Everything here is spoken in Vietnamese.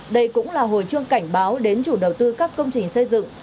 đây cũng là hồi chuông cảnh báo đến chủ đầu tư các công trình xây dựng